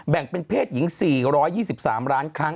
แบ่งเป็นเพศหญิง๔๒๓ล้านครั้ง